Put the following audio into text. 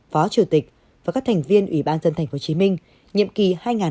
phó chủ tịch và các thành viên ubnd tp hcm nhiệm kỳ hai nghìn hai mươi một hai nghìn hai mươi sáu